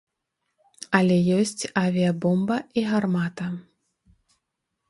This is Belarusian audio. Але ёсць авіябомба і гармата.